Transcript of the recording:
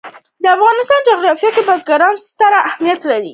د افغانستان جغرافیه کې بزګان ستر اهمیت لري.